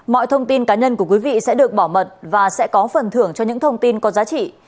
mọi thông tin cá nhân của quý vị sẽ được bảo mật và sẽ có phần thưởng cho những thông tin có giá trị